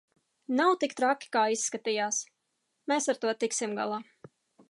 Nav tik traki kā izskatījās, mēs ar to tiksim galā.